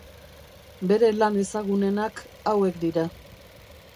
Bere lan ezagunenak hauek dira.